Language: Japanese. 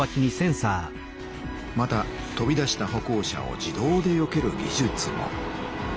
また飛び出した歩行者を自動でよける技術も。